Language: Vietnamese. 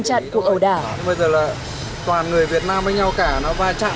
chỉ người phụ nữ cầu cứu mọi người mới đồng loạt lên tiếng